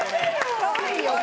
かわいいよ。